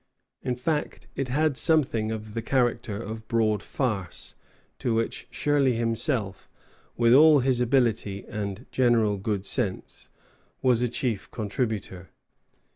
In fact, it had something of the character of broad farce, to which Shirley himself, with all his ability and general good sense, was a chief contributor.